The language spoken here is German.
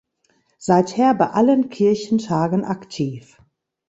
Seither bei allen Kirchentagen aktiv.